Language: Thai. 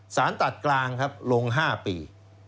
สารตัดกลางลง๕ปี